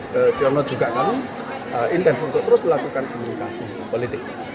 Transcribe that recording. dan diomno juga kami intens untuk terus melakukan komunikasi politik